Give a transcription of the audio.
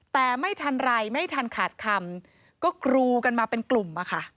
แต่ไม่ทันไรไม่ทันขาดคำก็กรูกันมาเป็นกลุ่มอะค่ะ